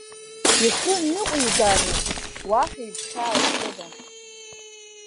Ихы ныҟәигароуп, уаҳа игәхьаа зкыда.